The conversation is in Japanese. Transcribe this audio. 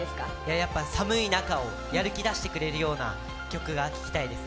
やっぱ寒い中をやる気、出してくれるような曲が聴きたいですね。